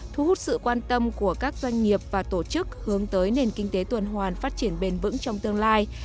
thu hút sự quan tâm của các doanh nghiệp và tổ chức hướng tới nền kinh tế tuần hoàn phát triển bền vững trong tương lai